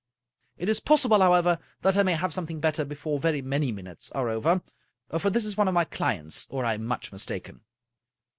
It is possible, however, that I may have something better before very many mjnutes are over, for this is one of my clients, or I am much mis taken."